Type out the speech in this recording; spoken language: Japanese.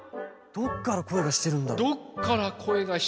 ・どっからこえがしているんだろう？